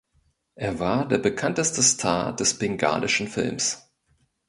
Er war der bekannteste Star des bengalischen Films.